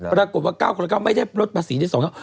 ปรากฏว่า๙คนละ๙ไม่ได้รวดภาษีทั้ง๒แล้ว